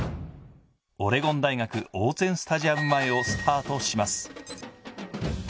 オレゴン大学、オーツェン・スタジアム前をスタートします。